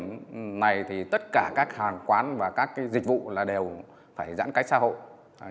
trong cái thời điểm này thì tất cả các hàng quán và các cái dịch vụ là đều phải giãn cách xã hội